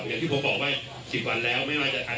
อย่างที่ผมบอกว่า๑๐วันแล้วไม่ว่าจะทัน